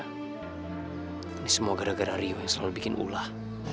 ini semua gara gara rio yang selalu bikin ulah